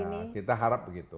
ya kita lihat ya kita harap begitu